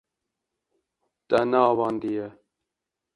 Te neavandiye.